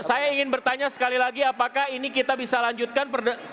saya ingin bertanya sekali lagi apakah ini kita bisa lanjutkan